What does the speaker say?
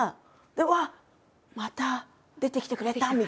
でうわっまた出てきてくれた！みたいな。